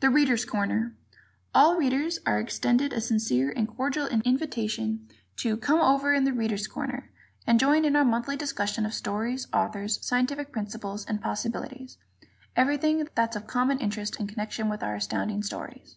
"The Readers' Corner" All readers are extended a sincere and cordial invitation to "come over in 'The Readers' Corner'" and join in our monthly discussion of stories, authors, scientific principles and possibilities everything that's of common interest in connection with our Astounding Stories.